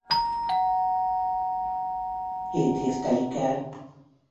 Hét év telik el.